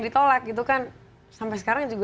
ditolak gitu kan sampai sekarang juga